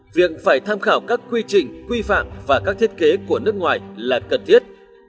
việc phải tham khảo các quy trình quy phạm và các thiết kế của nước ngoài là cần thiết